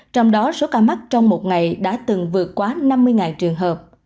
trong đó số ca mắc trong một ngày đã từng vượt quá năm mươi trường hợp